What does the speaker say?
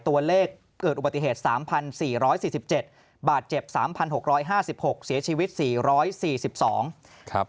ตัวเลขเกิดอุบัติเหตุ๓๔๔๗บาดเจ็บ๓๖๕๖เสียชีวิต๔๔๒ครับ